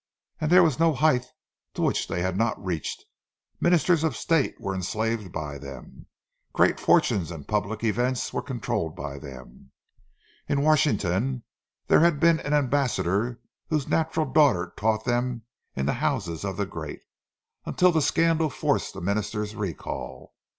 And there was no height to which they had not reached—ministers of state were enslaved by them; great fortunes and public events were controlled by them. In Washington there had been an ambassador whose natural daughter taught them in the houses of the great, until the scandal forced the minister's recall.